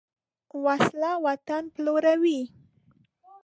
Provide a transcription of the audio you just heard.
وسله وطن پلوروي